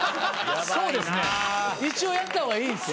そうですね一応やった方がいいですよ。